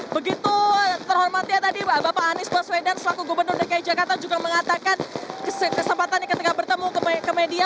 begitu terhormat ya tadi bapak anies baswedan selaku gubernur dki jakarta juga mengatakan kesempatannya ketika bertemu ke media